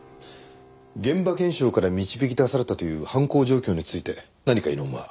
現場検証から導き出されたという犯行状況について何か異論は？